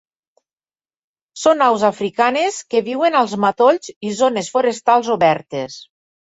Són aus africanes que viuen als matolls i zones forestals obertes.